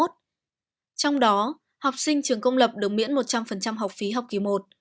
trong đó học sinh trường công lập được miễn một trăm linh học phí học kỳ một